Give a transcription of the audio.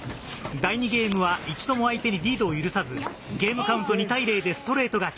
第２ゲームは一度も相手にリードを許さずゲームカウント２対０でストレート勝ち。